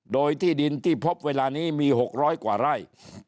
โดยที่ดินที่พบเวลานี้มี๖๐๐กว่าไร่